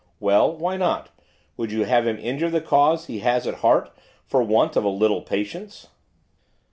'Well! why not? would you have him injure the cause he has at heart for want of a little patience?